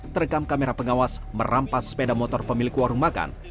terekam kamera pengawas merampas sepeda motor pemilik warung makan